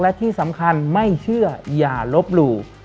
และที่สำคัญไม่เชื่ออย่าลบหลู่